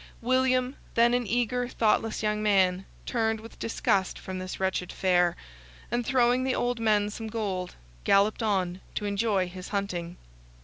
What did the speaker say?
William, then an eager, thoughtless young man, turned with disgust from this wretched fare, and throwing the old men some gold, galloped on to enjoy his hunting.